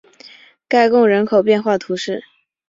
盖贡人口变化图示